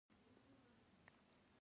پښتون د خپل عزت لپاره سر ورکوي.